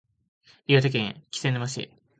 岩手県気仙沼市